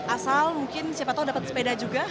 asal mungkin siapa tau dapat sepeda juga